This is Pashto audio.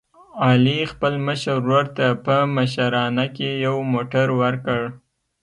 علي خپل مشر ورور ته په مشرانه کې یو موټر ور کړ.